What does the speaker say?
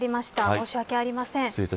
申し訳ありません。